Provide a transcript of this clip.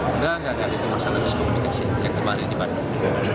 enggak enggak enggak itu masalah diskonikasi yang kemarin di bandung